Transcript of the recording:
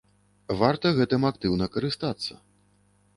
Варта гэтым актыўна карыстацца.